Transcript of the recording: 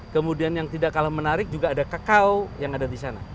kemudian yang tidak kalah menarik juga ada kakao yang ada di sana